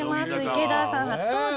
池田さん初登場。